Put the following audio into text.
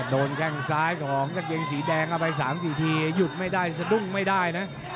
แข้งซ้ายของกางเกงสีแดงเอาไป๓๔ทีหยุดไม่ได้สะดุ้งไม่ได้นะ